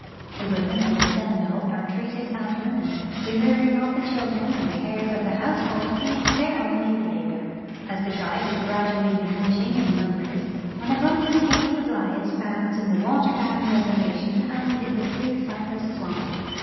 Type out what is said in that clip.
The women of the Seminole are treated as women, the rearing of the children and the cares of the household being their only labor. As the tribe is gradually diminishing in num bers, an abundant game supply is found in the water bound reservation and in the Big Cypress swamp.